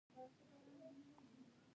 حق واخلئ